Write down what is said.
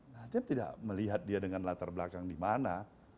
nasdem tidak melihat dia dengan latar belakang di mana